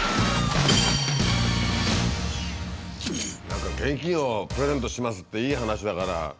何か現金をプレゼントしますっていい話だから。